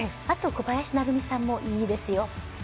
あと小林成美さんもいいですよ。